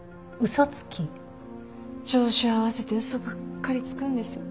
調子を合わせて嘘ばっかりつくんです。